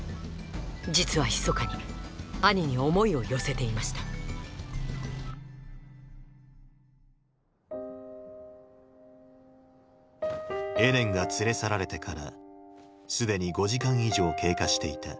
実はひそかにアニに思いを寄せていましたエレンが連れ去られてからすでに５時間以上経過していた。